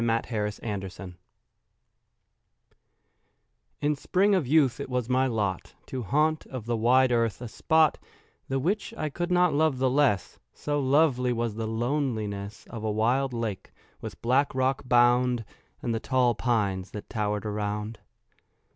THE LAKE —— TO—— In spring of youth it was my lot To haunt of the wide earth a spot The which I could not love the less— So lovely was the loneliness Of a wild lake, with black rock bound, And the tall pines that tower'd around.